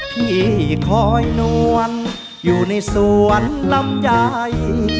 ที่คอยนวลอยู่ในสวนลำไย